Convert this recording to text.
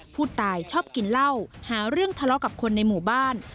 ผู้ตายชอบกินเหล้าหาเรื่องทะเลาะกับคนในหมู่บ้าน